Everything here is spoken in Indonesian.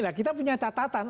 nah kita punya catatan